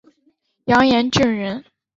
杨延俊人。